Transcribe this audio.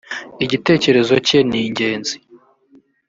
igitekerezo cye ningenzi.